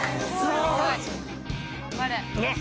頑張れ。